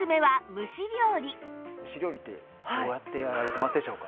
蒸し料理ってどうやってやられてますでしょうか？